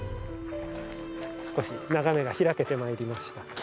少し眺めが開けてまいりました。